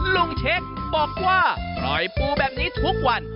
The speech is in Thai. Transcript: เช็คบอกว่าปล่อยปูแบบนี้ทุกวัน